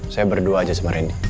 saya berdua aja sama randy